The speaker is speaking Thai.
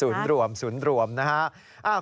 สูญรวมสูญรวมนะฮะ